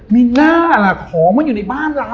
ไม่น่าหรอกของมันอยู่ในบ้านเรา